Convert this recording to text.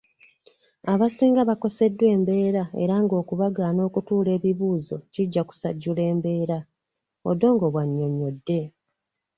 "Abasinga bakoseddwa embeera era ng'okubagaana okutuula ebibuuzo kijja kusajjula mbeera," Odongo bw'annyonnyodde.